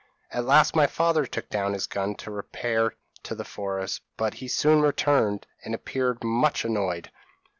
p> "At last my father took down his gun to repair to the forest; but he soon returned, and appeared much annoyed.